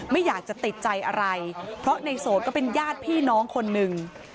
ไม่อยากจะติดใจอะไรเพราะในโสดก็เป็นญาติพี่น้องคนหนึ่ง